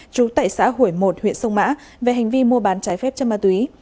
trú tại xã hủy một huyện sông mã về hành vi mua bán trái phép chất ma túy